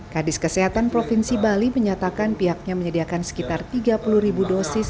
kadis kesehatan provinsi bali menyatakan pihaknya menyediakan sekitar tiga puluh ribu dosis